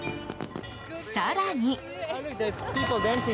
更に。